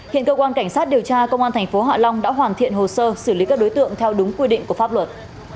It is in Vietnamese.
hiện cơ quan cảnh sát điều tra công an tp hạ long đã hoàn thiện hồ sơ xử lý các đối tượng theo đúng quy định của pháp luật